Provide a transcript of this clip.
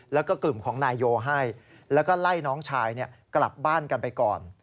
แล้วก็กลุ่มของนายโยให้แล้วก็ไล่น้องชายกลับบ้านกันไปก่อน